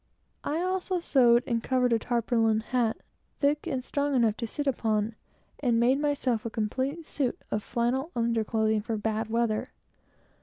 I also sewed and covered a tarpaulin hat, thick and strong enough to sit down upon, and made myself a complete suit of flannel under clothing, for bad weather.